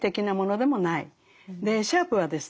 でシャープはですね